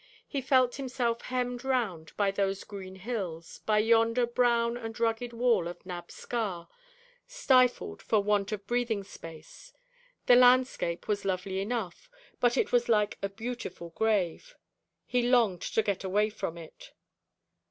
He felt himself hemmed round by those green hills, by yonder brown and rugged wall of Nabb Scar, stifled for want of breathing space. The landscape was lovely enough, but it was like a beautiful grave. He longed to get away from it.